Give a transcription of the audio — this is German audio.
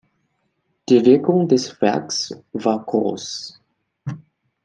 Die Wirkung des Werks war groß.